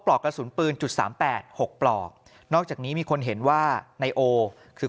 ปลอกกระสุนปืน๓๘๖ปลอกนอกจากนี้มีคนเห็นว่าในโอคือ